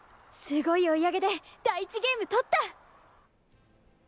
すごい追い上げで第１ゲーム取った！